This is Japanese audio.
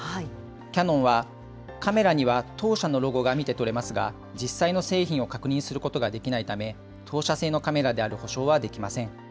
キヤノンは、カメラには当社のロゴが見て取れますが、実際の製品を確認することができないため、当社製のカメラである保証はできません。